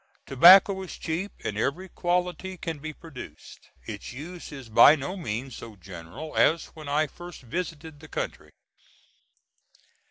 Tobacco is cheap, and every quality can be produced. Its use is by no means so general as when I first visited the country.